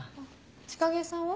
千景さんは？